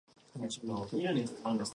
No other release dates have been announced.